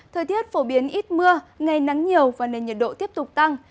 thời tiết phổ biến ít mưa ngày nắng nhiều và nền nhiệt độ tiếp tục tăng